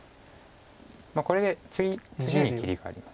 これで次に切りがあります。